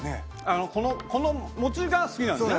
この餅が好きなんですね？